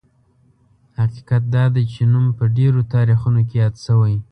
حقیقت دا دی چې نوم په ډېرو تاریخونو کې یاد شوی.